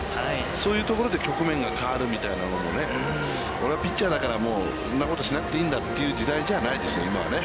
そういうところで局面が変わるみたいなものもね、俺はピッチャーだから、そんなことしなくていいんだという時代じゃないですよね、今はね。